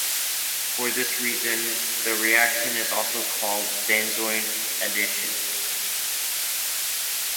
For this reason the reaction is also called a benzoin addition.